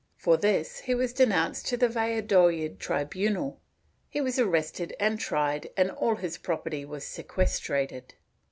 For this he was denounced to the Valla dolid tribunal; he was arrested and tried and all his property was sequestrated.